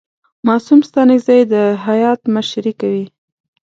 معصوم ستانکزی د هیات مشري کوي.